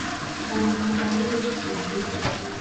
Ng’omugumba yeesitukidde.